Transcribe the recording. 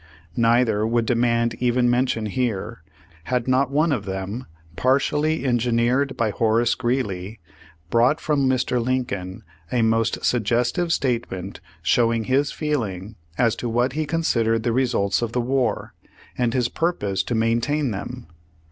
Neither would demand even mention here, had not one of them, partially engineered by Horace Greeley, brought from Mr. Lincoln a most suggestive statement showing his feeling as to what he considered the results of the war, and his purpose to maintain them.